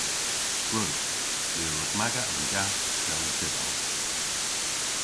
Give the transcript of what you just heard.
Gwrug. My a wrug maga an gath, dell dybav.